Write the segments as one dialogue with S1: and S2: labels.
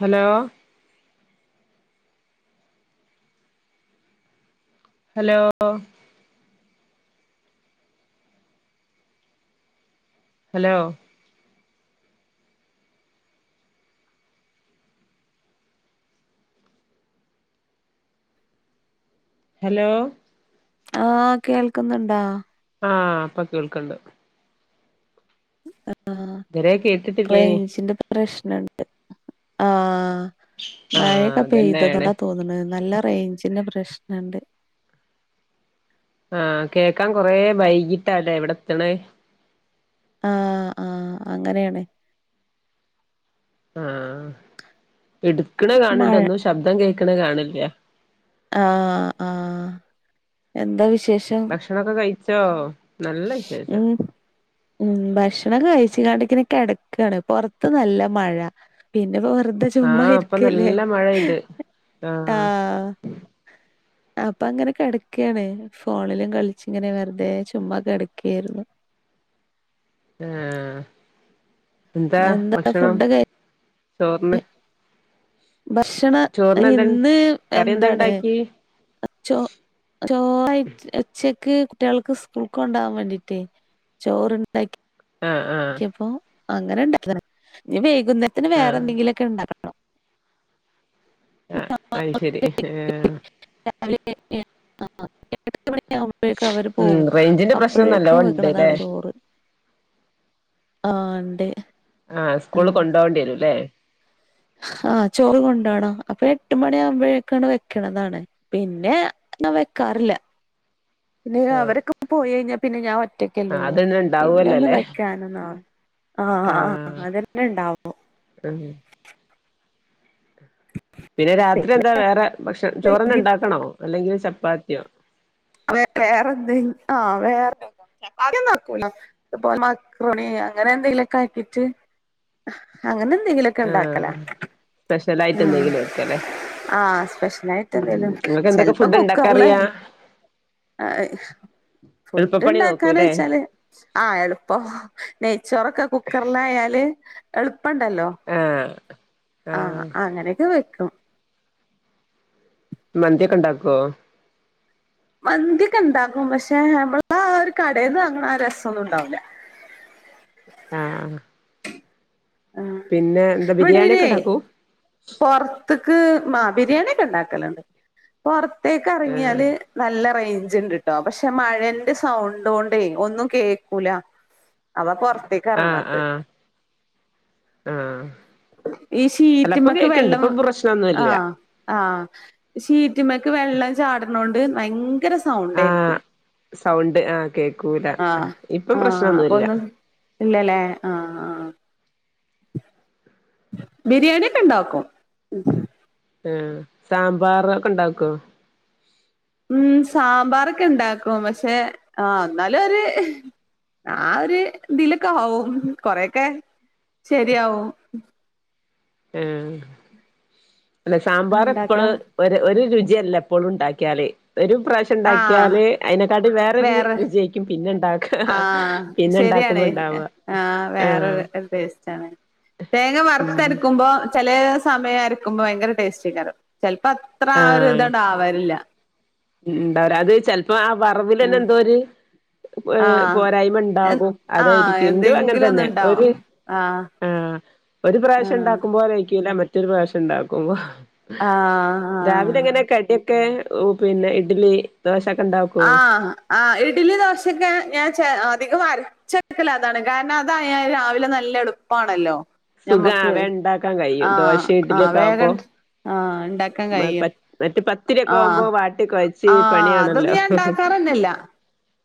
S1: Hello? Hello? Hello? Hello?
S2: ആ കേൾക്ക്ന്ന്ണ്ടാ?
S1: ആഹ് ഇപ്പ കേൾക്ക്ണ്ട്.
S2: ആഹ്
S1: ഇതുവരെ കേട്ടിട്ടില്ലേനി
S2: റേഞ്ചിന്റെ പ്രശ്നണ്ട് ആഹ്.
S1: ആഹ്
S2: മഴക്കെ പെയ്തത്
S1: അതന്നെയാണ്
S2: കൊണ്ടാന്ന് തോന്നണ് നല്ല റേഞ്ചിന്റെ പ്രശ്നണ്ട്.
S1: ആഹ് കേക്കാൻ കൊറെ വൈകിട്ടാല്ലേ ഇവിടെത്തണേ.
S2: ആ ആഹ് അങ്ങനെണ്.
S1: ആഹ് എടുക്കണ കാണണ്ട്
S2: മഴ
S1: ഒന്നും ശബ്ദം കേക്കണ കാണണ്ല്ല.
S2: ആഹ്, ആഹ് എന്താ വിശേഷം?
S1: ഭക്ഷണം ഒക്കെ കഴിച്ചോ നല്ല വിശേഷം.
S2: ഉം ഉം ഭക്ഷണം കഴിച്ച് കൊണ്ടി ഇങ്ങനെ കെടക്കാണ് പൊറത്ത് നല്ല മഴ. പിന്നെ ഇപ്പ വെറുതെ. ചുമ്മാ
S1: ആഹ് ഇപ്പൊ
S2: ഇരിക്ക അല്ലേ
S1: നല്ല മഴെയ്ത്
S2: ആഹ്. അപ്പ അങ്ങനെ കെടക്കാണ് ഫോണിലും കളിച്ച്ങ്ങനെ വെറുതെ ചുമ്മാ കെടക്കെരുന്നു.
S1: ആ ഏ എന്താ ഭക്ഷണം ചോറിന്.
S2: ഭക്ഷണം
S1: ചോറിന് എന്താ
S2: ഇന്ന്
S1: കറി എന്താ
S2: എന്താണ്
S1: ഇണ്ടാക്കി
S2: ചോ ചോറായിട്ട് ഉച്ചക്ക് കുട്ടിയൾക്ക് സ്കൂൾക്ക് കൊണ്ടാവാൻ വേണ്ടിട്ടേ. ചോറ്ണ്ടാക്കി.
S1: ആഹ്, ആ.
S2: ക്കിയപ്പോ അങ്ങനെ ണ്ടാക്കിയതാണ് ഇനി വൈകുന്നേരത്തിന് വേറെ
S1: ആഹ്
S2: എന്തെങ്കിലുംക്കെ ണ്ടാക്കണം.
S1: ആ അത് ശരി ആ
S2: രാവിലെ [unintelligible] അ എട്ട് മണി ഒക്കെ ആകുമ്പഴേക്കും അവര്
S1: ഉം
S2: പോവും
S1: റേഞ്ചിന്റെ പ്രശ്നം നല്ലോ
S2: അപ്പഴേക്കും
S1: ഉണ്ട്ല്ലേ
S2: വെക്കണതാണ് ചോറ്. ആണ്ടേ.
S1: ആഹ് സ്കൂളില് കൊണ്ടോവെണ്ടി വെരുംല്ലേ.
S2: ആഹ് ചോറ് കൊണ്ടോണം അപ്പ എട്ട് മണിയാകുമ്പഴേക്ക് വെക്കണതാണ്. പിന്നെ ന്ന വെക്കാറില്ല. പിന്നെ
S1: ആഹ്
S2: അവര് ഒക്കെ പോയി കയിഞ്ഞാ പിന്നെ ഞാൻ ഒറ്റക്ക
S1: ആഹ്
S2: അല്ലേള്ളൂ
S1: അതന്നെ
S2: പിന്നെ ഒന്ന്
S1: ഉണ്ടാവുവല്ലോല്ലേ
S2: വെക്കാന് ഒന്നും അ ആഹ് ആഹ് ആഹ് അതെല്ലാം ണ്ടാവോ
S1: ഉം പിന്നെ രാത്രി എന്താ വേറെ ഭക്ഷ
S2: വൈകി-
S1: ചോറിന്നണ്ടാക്കണോ അല്ലെങ്കി ചപ്പാത്തിയോ
S2: വെ വേറെ എന്തയ് ആഹ് വേറെ അദ്യോന്നും ആക്കൂല മാക്രോണി അങ്ങനെ എന്തെലുക്കെ ആക്കിട്ട് അങ്ങനെ എന്തെങ്കിലും
S1: ആഹ് സ്പെഷ്യലായിട്ട്
S2: ആഹ്
S1: എന്തെങ്കിലും വെക്കല്ലേ
S2: ആഹ് സ്പെഷ്യലായിട്ട്
S1: ഉം
S2: എന്തേലും
S1: ങ്ങക്കെന്തൊക്കെ
S2: ചെലപ്പോ
S1: ഫുഡ് ണ്ടാക്കാൻ അറിയാം
S2: ആഹ്
S1: നോക്കൂല്ലേ
S2: ഫുഡ്ണ്ടാക്കാനോച്ചാല് ആഹ് എളുപ്പം നെയ്ച്ചോറൊക്കെ കുക്കറിലായാല് എളുപ്പണ്ടല്ലോ
S1: ആഹ്
S2: ആഹ് അങ്ങനെക്കെ വെക്കും
S1: മന്തിയൊക്കെണ്ടാക്കോ
S2: മന്തിക്കെണ്ടാക്കും പക്ഷെ നമ്മള് ആ ഒരു കടേന്ന് വാങ്ണ ആ രസൊന്നും ഉണ്ടാവൂല്ല
S1: ആഹ്
S2: ആഹ്
S1: പിന്നെ എന്താ ബിരിയാണിക്കെ ഉണ്ടാക്കോ
S2: പൊർത്ത്ക്ക് മാ ബിരിയാണിക്കെ ണ്ടാക്കലണ്ട് പൊറത്തേക്ക്
S1: ആഹ്
S2: ഇറങ്ങിയാല് നല്ല റേഞ്ച്ണ്ട്ട്ടോ പക്ഷെ മഴന്റെ സൗണ്ടോണ്ട് ഒന്നും കേക്കൂല അവ പൊറത്തേ
S1: ആഹ് ആഹ് ആഹ്
S2: ഈ
S1: അല്ല പ്പ
S2: ഷീറ്റ്മ്മക്ക്
S1: കേക്ണ്ട്
S2: വെള്ളം
S1: ഇപ്പം പ്രശ്നന്നുല്ല
S2: ആഹ് ആഹ് ഷീറ്റ്മ്മക്ക് വെള്ളം ചാടണൊണ്ട് ഭയങ്കര
S1: ആഹ്
S2: സൗണ്ടായിരിക്കും
S1: സൗണ്ട് ആഹ് കേക്കൂല
S2: ആഹ്
S1: ഇപ്പം
S2: ആഹ് അപ്പൊ
S1: പ്രശ്നംന്നുല്ല
S2: ഒന്നും ഇല്ലല്ലേ ആഹ് ആഹ് ബിരിയാണി ഒക്കെണ്ടാക്കും
S1: എഹ് സാമ്പാറ് ഒക്കെണ്ടാക്കോ
S2: ഉം സാമ്പാറൊക്കെണ്ടാക്കും പക്ഷെ ആഹ് എന്നാലൊര് ആഹ് ഒരു ഇതിലൊക്കെ ആവും കൊറേയൊക്കെ ശരിയാവും
S1: ഏഹ് അല്ല സാമ്പാറ്
S2: എന്താക്കാ
S1: എപ്പള് ഒരു ഒരു രുചിയല്ല എപ്പളും ഉണ്ടാക്കിയാല് ഒരു പ്രശ്
S2: ആഹ്
S1: ച്ച്ണ്ടാക്കിയാല് അയ്നെക്കാട്ടി വേറെരു
S2: വേറെ
S1: രുജെയ്ക്കും പിന്നെ ണ്ടാ
S2: ആഹ് ശരിയാണ് ആഹ്
S1: ആഹ്
S2: വേറെരു എ ടെസ്റ്റ്ണ് തേങ്ങ
S1: ഉം
S2: വറുത്തര്ക്കുമ്പോ ചെലേ സമയം അരക്കുമ്പോ ഭയങ്കര ടേസ്റ്റകാരം ചിലപ്പോ അത്ര ആ ഒരു ഇതണ്ടാവാൽല്ല
S1: ഉം ണ്ടാവൂല അത് ചെലപ്പോ ആ വറവിലെന്നെ
S2: ആഹ്
S1: എന്തോര് ഏഹ്
S2: ആഹ് എഹ്
S1: പോരായ്മണ്ടാകും
S2: ആഹ്
S1: അതായിരിക്കും ന്റ്തും
S2: എന്തെങ്കിലും
S1: അങ്ങൻതന്നെ
S2: ഒന്നുണ്ടാവും
S1: ഒരു
S2: ആഹ്
S1: ആഹ് ഒരു പ്രാവശ്യം
S2: ആഹ്
S1: ഉണ്ടാക്കുമ്പോലയിക്കൂല മറ്റൊരു പ്രാവശ്യം ഉണ്ടാക്കുമ്പോ
S2: ആഹ്
S1: രാവിലെ
S2: ആഹ്
S1: എങ്ങനെ കടിയൊക്കെ പിന്നെ ഇഡ്ലി ദോശൊക്കെണ്ടാ
S2: ആഹ് ആഹ് ഇഡ്ലി ദോശക്കെ ഞാൻ ചെ അധികം അര് ച്ചെടുക്കല അതാണ് കാരണം അതായാൽ രാവിലെ നല്ല എളുപ്പാണല്ലോ
S1: സുഖാ
S2: ഞമ്മക്ക്
S1: വേം ഉണ്ടാക്കാൻ കഴിയും
S2: ആഹ്
S1: ദോശയും
S2: ആഹ് വേഗ ആഹ് ണ്ടാ
S1: മ പ മറ്റ് പത്തിരിയൊക്കെ ആവുമ്പോ വാട്ടി കൊയ
S2: ആഹ് അതൊന്ന് ഞാൻ ഉണ്ടാക്കാറന്നെല്ല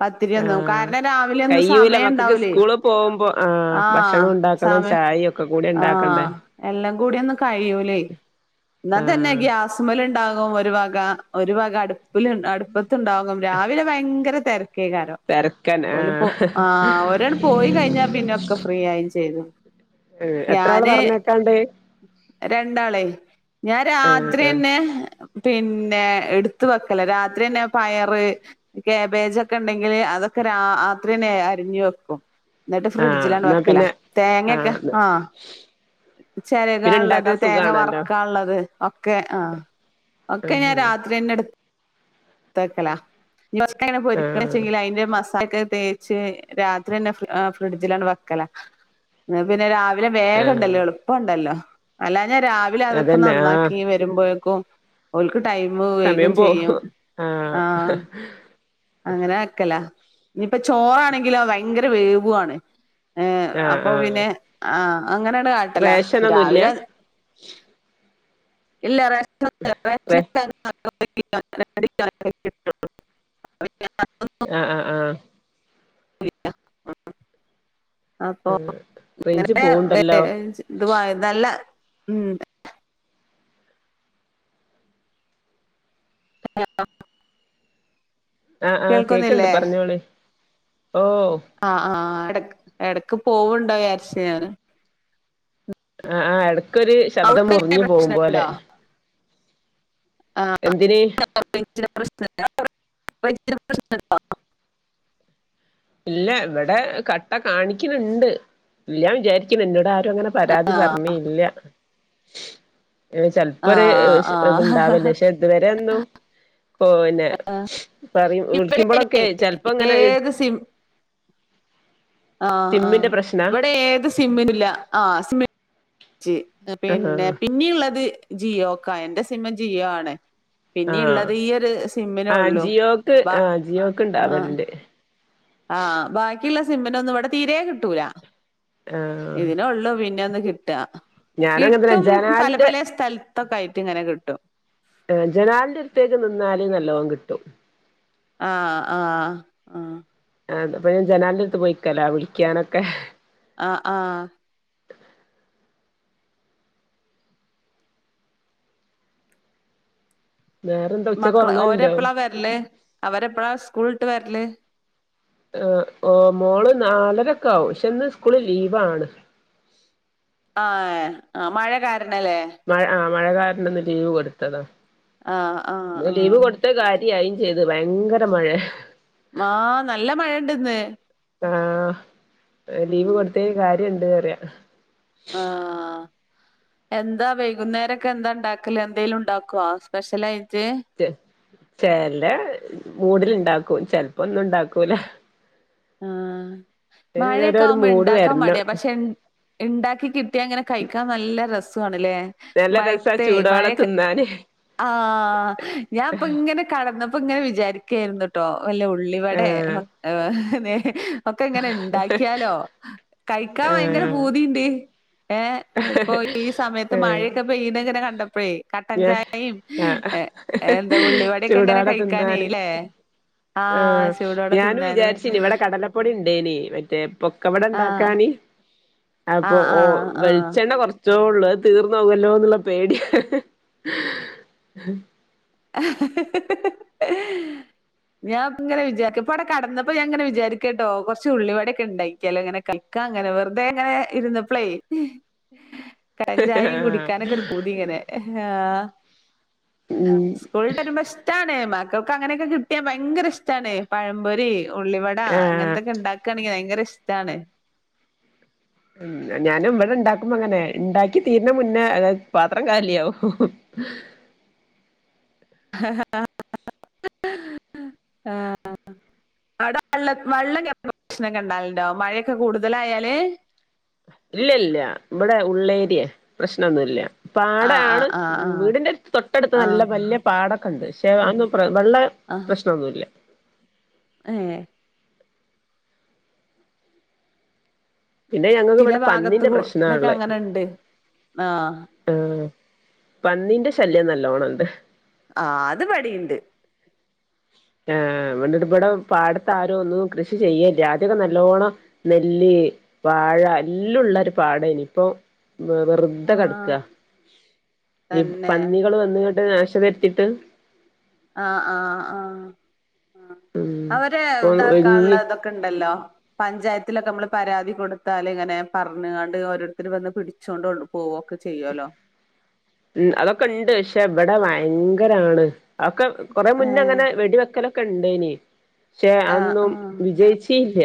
S2: പത്തിരി ഒന്ന്
S1: ആഹ്
S2: കാരണം രാവിലെ ഒന്ന്
S1: കയ്യൂല മക്കൾക്ക്
S2: സമയണ്ടാവ്ലേ
S1: സ്കൂള് പോകുമ്പോ
S2: ആഹ്
S1: ഭക്ഷണം ഉണ്ടാക്കണം
S2: സമ
S1: ചായയും ഒക്കെ കൂടി ഉണ്ടാക്കണ്ടേ
S2: ആഹ് എല്ലാം കൂടി ഒന്നും കഴിയൂലേ എന്ന തന്നെ
S1: ആഹ്
S2: ഗ്യാസ്മല് ഉണ്ടാകും ഒരു വക, ഒരു വക അടുപ്പിൽ അടുപ്പത്ത ഉണ്ടാവും രാവിലെ ഭയങ്കര തിരക്കേകാരം
S1: തെരക്കൻ
S2: ഓല് പോ,
S1: ആഹ്
S2: ആഹ് ഒരാണ്ട് പോയി കഴിഞ്ഞാ പിന്നെ ഒക്കെ ഫ്രീ ആയും ചെയ്തു
S1: എത്ര ആള് പറഞ്ഞയക്കാണ്ട്
S2: രണ്ടാളേ ഞാൻ
S1: ആഹ്
S2: രാത്രി
S1: ആഹ്
S2: തന്നെ പിന്നെ എടുത്ത്വ രാത്രി തന്നെ പയറ് കാബേജൊക്കെ ഉണ്ടെങ്കിൽ അതൊക്കെ രാ രാത്രി അരിഞ്ഞു വെക്കും എന്നിട്ട്
S1: ആഹ്
S2: ഫ്രിഡ്ജിലാണ്ട്
S1: എന്നാ
S2: വെക്കല
S1: പിന്നെ
S2: തേങ്ങൊക്കെ ആഹ് ചരക
S1: പിന്നെ
S2: ഉള്ളത്
S1: ഇണ്ടാക്കാൻ
S2: തേങ്ങ
S1: സുഖാണല്ലോ
S2: വറക്കൻ ഉള്ളത് ഒക്കെ ആ ഒക്കെ ഞാൻ
S1: ആഹ്
S2: രാത്രി തന്നെ എടുത്ത് തക്കല ഉമ്മച്ചിക്കനെ പൊരിക്കണ
S1: ആഹ്
S2: വെച്ചെങ്കിൽ അതിന്റെ മസാലക്കെ തേ ച്ച് രാത്രിന്നെ ഫ്രിഡജില് വെക്കല ന്നപിന്നെ രാവിലെ ല ഉണ്ടല്ലോ
S1: ആഹ്
S2: എളുപ്പണ്ടല്ലോ അല്ലാഞാ രാവിലെ അതൊക്കെ
S1: അതന്നെ ആഹ്
S2: നന്നാക്കി വരുമ്പോഴേക്കും ഓൽക്ക് ടൈം വൈകും
S1: സമയം പോവും
S2: ചെയ്യും ആഹ് അങ്ങനെ വെക്കല. ഇനിയിപ്പൊ ചോറാണെങ്കിലോ ഭയങ്കര വേവുആണ്. ഏഹ്
S1: ആഹ്
S2: അപ്പൊ
S1: ആഹ്
S2: പിന്നെ ആഹ് അങ്ങനാണ് കാട്ടല.
S1: റേഷനൊന്നുല്ല
S2: രാവിലെ ഇല്ല റെസ്റ്റൊന്നുല്ല
S1: റേ
S2: വെച്ചടു [inaudible] കിട്ടൂ. [inaudible]
S1: ആഹ് ആഹ് ആഹ്
S2: ഉ [inaudible] അപ്പൊ
S1: റേഞ്ച്
S2: ഇന്നലെ
S1: പോവ്ണ്ടല്ലോ
S2: വേദൻച്ച് തുവായി നല്ല ഉം ആ [inaudible]
S1: ആഹ് ആഹ് കേക്ക്ണ്ട് പറഞ്ഞോളി ഓഹ്
S2: ആഹ് ആഹ് എടക് എടക്ക് പോവുണ്ടോ വിയാരിച്ചു ഞാന്.
S1: ആഹ് ആഹ് എടക്കൊരു ശബ്ദം
S2: അവിടെ
S1: മുറിഞ്ഞു
S2: എങ്ങനെ
S1: പോവും പോലെ.
S2: പ്രശ്നമുണ്ടോ ആഹ്
S1: എന്തിന്?
S2: റെയ്ഞ്ചിന് പ്രശ്നല്ല വ്ടെ [inaudible]
S1: ഇല്ല ഇവിടെ കട്ട കാണിക്ക്ണ് ണ്ട് ഇല്ല വിചാരിക്ക്ണ് ഇന്നോടാ രും അങ്ങനെ പരാതി
S2: ആ
S1: പറഞ്ഞില്ല.
S2: ആ
S1: ചെൽപ്പൊരു ശ്
S2: ആ
S1: ഇത്ണ്ടാവല്ലേ ശേ ഇതുവരൊന്നും ഓ പിന്നെ പറ
S2: ഇവിടെ ഇനി
S1: വിളിക്കുമ്പളൊക്കെ ചെൽപ്പൊങ്ങനെ
S2: സിം ആഹ്
S1: സിമ്മിന്റെ
S2: ആഹ്
S1: പ്രശ്നാ
S2: ഇവിടെ ഏത് സിമ്മിനുല്ല ആഹ് സിമ്മ് ഞ്ച്
S1: ആഹാ
S2: പിന്നെ പിന്നീള്ളത് ജിയോക്കാ എൻ്റെ സിമ്മ് ജിയോ ആണ്.
S1: ആഹ്
S2: പിന്നിഉള്ളത് ഈഒരു
S1: ആഹ്
S2: സിമ്മിലൊള്ളു
S1: ജിയോക്ക്
S2: ബ
S1: ആഹ് ജിയോക്ക്
S2: ആഹ്.
S1: ഇണ്ടാവല്ണ്ട്
S2: ആഹ് ആ ബാക്കിയുള്ള സിമ്മിനൊന്നും ഇവിടെ തീരെ കിട്ടൂല.
S1: ആഹ്
S2: ഇതിനൊള്ളു പിന്നെ ഒന്ന് കിട്ടാ.
S1: ഞാനും അങ്ങനെ തന്നെ
S2: കിട്ടും പല
S1: ജനാലിന്റെ
S2: പല സ്ഥൽ ഇപ്പൊക്കായിയിട്ട്ങ്ങനെ കിട്ടും.
S1: ആഹ് ജനാൽൻ്റടുത്തേറ്റ് നിന്നാല് നല്ലോം കിട്ടും.
S2: ആഹ് ആഹ് ആഹ
S1: ആഹ് അപ്പൊ ഞാൻ ജനാല്ൻ്റടുത്ത് പോയിക്കല വിളിക്കാനൊക്കെ.
S2: ആഹ് ആഹ്
S1: വേറെന്താ ഉച്ചക്ക്
S2: മക്കള്
S1: ഒറങ്ങലുണ്ടോ
S2: ഓരെപ്പളാ വര്ല് അവരെപ്പളാ സ്കൂൾട്ട് വര്ല്?
S1: ആഹ് ഓ മോള് നാലരക്കാവും പക്ഷെ ഇന്ന് സ്കൂള് ലീവാണ്.
S2: ആഹ്ഏ ആ മഴ കാരണല്ലേ?
S1: മഴ ആ മഴ കാരണ്ന്ന് ലീവ് കൊട്ത്തതാ
S2: ആഹ് ആഹ്
S1: ന്നു
S2: ആഹ്
S1: ലീവ് കൊടു ത്ത് കാര്യായി ചെയ്ത് ഭയങ്കര മഴേ.
S2: മാഹ് നല്ല മഴണ്ട്ന്ന്.
S1: ആഹ് ലീവ്
S2: ഉം
S1: കൊട്ത്തേന് കാര്യണ്ട് അറ്യാ.
S2: ആഹ് എന്താ വൈകുന്നേരൊക്കെ എന്താ ഇണ്ടാക്കല് എന്തേലുണ്ടാക്കോ സ്പെഷ്യലായിട്ട്?
S1: ചെ ചെല മൂടിലിണ്ടാക്കും ചെൽപ്പൊന്നുണ്ടാക്കൂല.
S2: ആഹ്
S1: അയിനൊരോരോ
S2: മഴക്കാവുമ്പോ
S1: മൂഡ്
S2: ഇണ്ടാക്കാ
S1: വരണം
S2: മടിയ പക്ഷെ ഇ ഇണ്ടാക്കി കിട്ട്യാ ങ്ങനെ കഴിക്കാ നല്ല രസ്യേണല്ലേ?
S1: നല്ല രസാ
S2: മഴത്തെ
S1: ചൂടോടെ
S2: മയക്ക
S1: തിന്നാന്
S2: ആഹ് ഞാൻപ്ങ്ങനെ കട്ന്നമ്പങ്ങനെ വിചാര്ക്കേര്ന്നു. ട്ടോ വല്ല ഉള്ളിവടെ
S1: ആഹ്
S2: സ ഒക്കെ ഇങ്ങനെ ഇണ്ടാക്ക്യാലോ കയ്ക്കാ ഭയങ്കര
S1: ആഹ്
S2: പൂതിണ്ട്. ഏഹ് ഇപ്പൊ ഈ സമയത്ത്
S1: ആഹ്
S2: മഴയൊക്കെ പെയ്യ്ണ്ങ്ങനെ കണ്ടപ്പോഴേ
S1: ഞാ
S2: കട്ടൻചായിം
S1: ആഹ്
S2: ഇങ്ങനെ
S1: ചൂടോടെ
S2: കഴിക്കാനേ
S1: തിന്നാന്.
S2: ല്ലേ
S1: ആഹ്
S2: ചൂടോടെ
S1: ഞാനു
S2: തിന്നാന്
S1: വിചാര്ച് ഇവടെ കടലപ്പൊടി ഇണ്ടേ നീ മറ്റേ പൊക്കെവട
S2: ആഹ്
S1: ഇണ്ടാക്കാന് അപ്പൊ
S2: ആഹ്
S1: ഓ
S2: ആഹ്
S1: വെ കൊർച്ചോള്ളൂ തീർന്നോ വല്ലോന്നുള്ള പേട്യാ
S2: ആഹ്
S1: [inaudible]
S2: ഞാൻ ഇങ്ങനെ വിചാരിക്ക ഇപ്പ അവടെ കടന്നപ്പോ ഞാനിങ്ങനെ വിചാരിക്കട്ടോ കൊർച്ച് ഉുള്ളിവടയൊക്കെ ടൊക്കെ ഇണ്ടാക്ക്യാലോങ്ങനെ. കഴിക്കാം ഇങ്ങനെ വെർതെ ഇങ്ങനെ ഇര്ന്നപ്ലേ കടചായിം കുടിക്കാനൊക്കെ ഒരു പൂതി ഇങ്ങനെ ആഹ്.
S1: ഉം
S2: സ്കൂൾട്ട് വരുമ്പോ ഇഷ്ടാണ് മക്കക്ക് അങ്ങനെയൊക്കെ കിട്ട്യാ ഭയങ്കര ഇഷ്ടാണ് പഴമ്പൊരി, ഉള്ളി വ ആ
S1: ആഹ്
S2: അങ്ങൻത്തൊക്കെ ഇണ്ടാക്കാണെങ്കി ഭയങ്കര ഇഷ്ടാണ്.
S1: ഉം ഞാനും ഇവടെ ഇണ്ടാക്കുമ്പങ്ങനെ ഇണ്ടാക്കി തീര്നെ മുന്നേ പാത്രം കാലിയാവും.
S2: ആഹ്. അവ്ടെ വള്ള വെള്ളൊക്കെ പ്രശ്നക്കണ്ടാല്ണ്ടോ മഴയൊക്കെ കൂടുതലായാല്?
S1: ഇല്ല്യല്ല ഇവിടെ ഉള്ളേര്യയെ പ്രശ്നൊന്നുല്ല്യ.
S2: ആഹ്
S1: പാടാണ്
S2: ആഹ് ആഹ് ആഹ്
S1: വീടിന്റെ തൊട്ട ട്ത്ത് നല്ല
S2: ആഹ്
S1: വല്ല്യ പാടൊക്കെ ഇണ്ട് ക്ഷെ അതൊന്നും വെള്ള
S2: ആഹ്
S1: പ്രശ്നൊന്നുമല്ല്യ.
S2: ഏഹ്.
S1: പിന്നെ ഞങ്ങക്ക്
S2: ചില
S1: ഇവിടെ
S2: ഭാഗത്ത്
S1: പന്നിന്റെ
S2: കൂടെക്കെ
S1: പ്രശ്നാള്ളേ.
S2: അങ്ങനെണ്ട് ആഹ്
S1: ആഹ് പന്നിന്റെ ശല്യം നല്ലോണം ഇണ്ട്.
S2: ആ അത് ഇപടീംണ്ട്.
S1: ഏ വന്ന്ട്ട് ഇവടെ പാട്ത്ത് ആരോ ഒന്നും കൃഷി ചെയ്യേല്ല ആദ്യക്കെ നല്ലോണം നെല്ല്, വാഴ എല്ലോ ഉള്ള ഒരു പാടേ നീ ഇപ്പോ വെർ തെ
S2: ആഹ്
S1: കെട്ക്ക ഈ
S2: തന്നെ
S1: പന്നികള് വന്നങ്ങട്ട് നാശം വെര്ത്തിട്ട്
S2: ആഹ് ആഹ് ആഹ്
S1: ഉം
S2: അവര്
S1: ഇപ്പൊ
S2: ഇതാക്കാനുള്ള
S1: ഒഴിഞ്ഞ്
S2: ഇതൊക്കെ ഉണ്ടല്ലോ പഞ്ചായത്തിലൊക്കെ നമ്മള് പരാതി കൊടുത്താലിങ്ങനെ പറഞ്ഞണ്ട് ഓരോരുത്തർ വന്ന് പിടിച്ചു ച്ചോണ്ട് പോവ്വൊക്കെ ചെയ്യുവല്ലോ
S1: ഉം അതൊക്കെ ഇണ്ട് പക്ഷെ ഇവിടെ ഭയങ്കരാണ് ഒക്കെ കൊറെ മുന്നേ
S2: ഏഹ്
S1: അങ്ങനെ വെടിവെക്കലൊക്കെ ഇണ്ടേനി പക്ഷെ
S2: ആഹ്
S1: അതൊന്നും
S2: ആഹ്
S1: വിജയിച്ച് ഇല്ല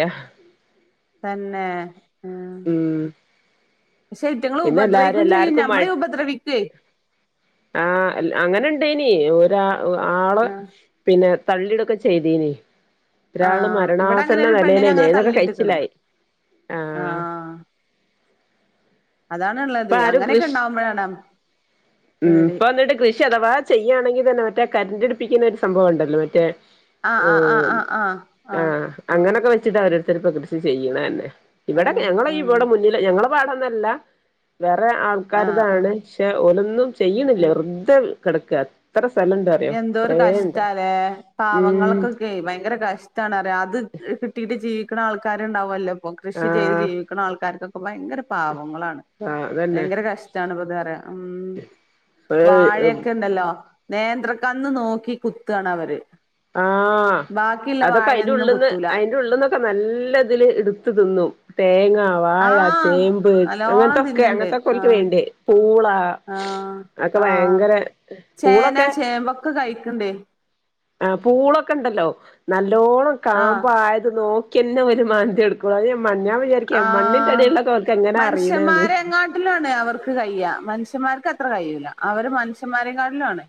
S2: തന്നേ
S1: ഉം
S2: ശ്ശേ ഇവ്ത്ത്ങ്ങൾ
S1: പിന്നെ എല്ലാരും
S2: ഉപദ്രവിക്കേം ചെയ്യും
S1: എല്ലാർക്കും മ
S2: നമ്മളേം ഉപദ്രവിക്കേ
S1: ആഹ് അങ്ങനെ ഇണ്ടേനി ഒരാ ആള്
S2: ആഹ്
S1: പിന്നെ തള്ളിടൊക്കെ ചെയ്തീനി ഒരാള്
S2: ആഹ് ഇവിടെ അങ്ങനെ
S1: മരണാസന്ന
S2: ഒരു പെണ്ണിനെ
S1: നിലേലല്ലേ
S2: അങ്ങനെ
S1: ഇതൊക്കെ
S2: തള്ളിയിട്ട്ക്ക്ണ്
S1: കഴിച്ചില്ലായി
S2: ആഹ് അതാണ് ഉള്ളത്
S1: ഇപ്പ ആരും കൃഷ് ഉം
S2: പേടി
S1: ഇപ്പ വന്നിട്ട് കൃഷി അഥവാ ചെയ്യുകയാണെങ്കിൽ തന്നെ മറ്റേ കരണ്ടടിപ്പിക്കുന്ന ഒരു സംഭവം ഉണ്ടല്ലോ മറ്റേ
S2: ആഹ് ആഹ് ആഹ്
S1: ഉം
S2: ആഹ്
S1: ആ
S2: ആഹ് ആഹ് ആഹ്
S1: അങ്ങനൊക്കെ വെ ച്ചിട്ടാണോരോരുത്തൊരു കൃഷി ചെയ്യണ തന്നെ ഇവിടെ
S2: ആഹ്
S1: ഞങ്ങടെ
S2: ആഹ്
S1: ഇവിടെ മുന്നില് ഞങ്ങളെ പാടൊന്നല്ല വേറെ
S2: ആഹ് ആഹ്
S1: ആൾക്കാരിതാണ് പക്ഷെ ഓലൊന്നും ചെയ്യണില്ല
S2: ആഹ്
S1: വെറുതെ കിടക്കുക എത്ര സ്ഥലമുണ്ട്
S2: എന്തോരു കഷ്ടാല്ലേ
S1: ഉം
S2: പാവങ്ങൾക്കൊക്കെ ഭയങ്കര കഷ്- ട്ടാണല്ലേ അത് കിട്ടിട്ട് ജീവിക്കണ ആൾക്കാരുണ്ടാവുമല്ലോ ഇപ്പൊ കൃഷി ചെയ്ത്
S1: ആഹ്
S2: ജീവിക്കണ ആൾക്കാർക്കൊ ഭയങ്കര പാവങ്ങളാണ്
S1: ആഹ് അതന്നെ
S2: ഭയങ്കര കഷ്ടമാണ് പ്പോ പറ ഉം വാഴയൊക്കെ ഉണ്ടല്ലോ നേന്ത്രക്കന്ന് നോക്കി കുത്തുകാണവര്
S1: ആഹ് അതൊക്കെ അയിന്റെ ഉള്ളിന്ന്
S2: കുത്തൂല
S1: അയിന്റെ ഉള്ളിൽന്നു നല്ലെതില് ഇട്ത്ത് തിന്നും തേങ്ങ വാഴ,
S2: ആഹ്
S1: ചേമ്പ്
S2: നല്ലോണം
S1: അങ്ങൻത്തൊക്കെ
S2: തിന്ന്ണ്ട്
S1: അങ്ങൻത്തൊക്കെ ഓല്ക്ക്
S2: ആഹ്
S1: വേണ്ടിവരും പൂള-
S2: ആഹ്
S1: അതൊക്കെ ഭയങ്കരെ പൂളൊക്കെ-
S2: ക്ക് കഴിക്കണ്ടേ
S1: ആഹ് പൂളൊക്കെ ഇണ്ടല്ലോ ന്നല്ലോണം
S2: ആഹ്
S1: കാമ്പായത് നോ ക്കിന്നെ ഓര് മാന്തി എടുകൊള്ളു അഹ് ഞാൻ വിചാരിക്കും
S2: ആഹ്
S1: മണ്ണിന്റടിയിലുള്ളത് ഓല്ക്കെങ്ങനാ അറിയ്ണേന്ന്.
S2: ട്ടിലാണേ അവർക്ക് കയ്യ മനുഷന്മാർക്ക് അത്ര കഴിയൂല അവര് മനുഷ്യന്മാരെ കാട്ടിലും ആണ്.